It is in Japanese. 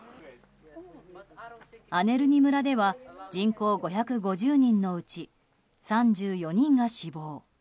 アネルニ村では人口５５０人のうち３４人が死亡。